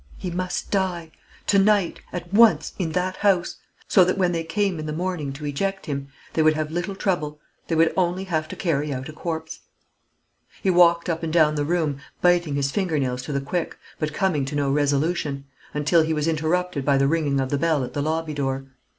He must die! to night, at once, in that house; so that when they came in the morning to eject him, they would have little trouble; they would only have to carry out a corpse. He walked up and down the room, biting his finger nails to the quick, but coming to no resolution, until he was interrupted by the ringing of the bell at the lobby door.